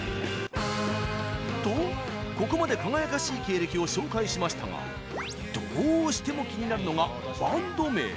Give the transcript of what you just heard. と、ここまで輝かしい経歴を紹介しましたがどうしても気になるのがバンド名。